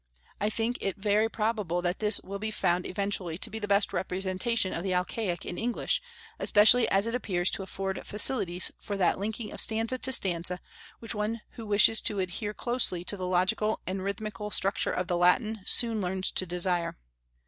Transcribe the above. I think it very probable that this will be found eventually to be the best representation of the Alcaic in English, especially as it appears to afford facilities for that linking of stanza to stanza which one who wishes to adhere closely to the logical and rhythmical structure of the Latin soon learns to desire.